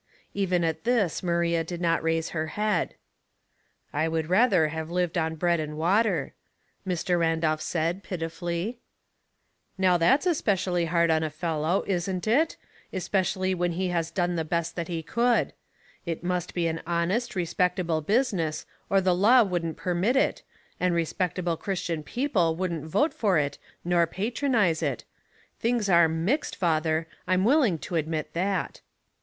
Even at this Maria did not raise her head, " I would rather have lived on bread and water," Mr. Randolph said, pitifully. " Now that's pretty liard on a fellow, isn't it? — especially when he has done the best that he could. It must be an honest, respectable busi ness, or the law wouldn't permit it, and respect able Christian people wouldn't vote for it nor patronize it. Things are mixed, father , I'm will ing to admit that."